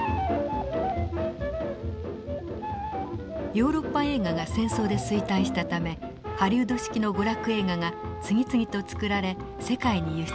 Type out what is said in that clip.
ヨーロッパ映画が戦争で衰退したためハリウッド式の娯楽映画が次々と作られ世界に輸出されました。